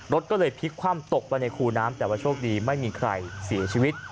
รถก็เลยพลิกคว่ำตกไปในคูน้ำแต่ว่าโชคดีไม่มีใครเสียชีวิต